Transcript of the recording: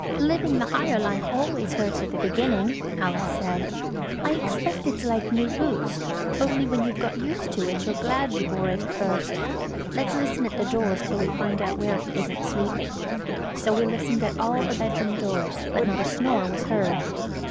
"Living the higher life always hurts at the beginning," Alice said. "I expect it's like new boots, only when you've got used to it you're glad you bore it at first. Let's listen at the doors till we find out where he isn't sleeping." So we listened at all the bedroom doors, but not a snore was heard.